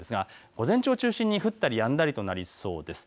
午前中を中心に降ったりやんだりとなりそうです。